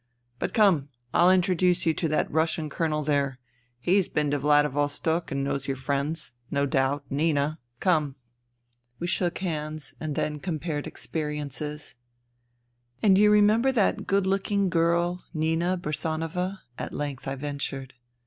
But come, I'll introduce you to that Russian Colonel there. He's been to Vladivostok and knows your friends, no doubt — Nina. Come." We shook hands, and then compared experiences. " And do you remember that good looking girl, Nina Bursanova ?" at length I ventured.